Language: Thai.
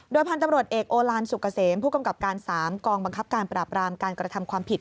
พันธุ์ตำรวจเอกโอลานสุกเกษมผู้กำกับการ๓กองบังคับการปราบรามการกระทำความผิด